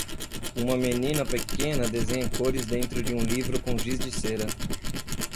Uma menina pequena desenha cores dentro de um livro com giz de cera